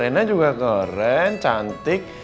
reina juga keren cantik